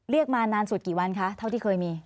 มานานสุดกี่วันคะเท่าที่เคยมี